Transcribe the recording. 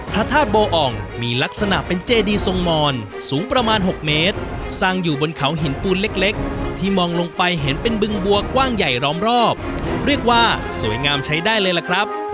พระธาตุโบอ่องมีลักษณะเป็นเจดีทรงมอนสูงประมาณ๖เมตรสร้างอยู่บนเขาหินปูนเล็กที่มองลงไปเห็นเป็นบึงบัวกว้างใหญ่ล้อมรอบเรียกว่าสวยงามใช้ได้เลยล่ะครับ